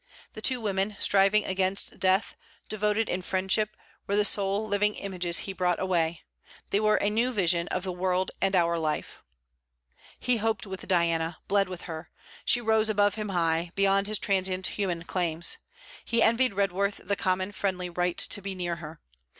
The two women, striving against death, devoted in friendship, were the sole living images he brought away; they were a new vision of the world and our life. He hoped with Diana, bled with her. She rose above him high, beyond his transient human claims. He envied Redworth the common friendly right to be near her.